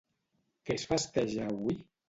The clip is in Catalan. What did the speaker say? Què es festeja avui?